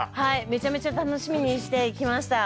めちゃめちゃ楽しみにしてきました。